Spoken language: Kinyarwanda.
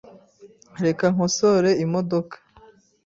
Reka nkosore imodoka .